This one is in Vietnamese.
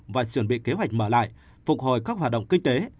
và chuẩn bị kế hoạch mở lại phục hồi các hoạt động kinh tế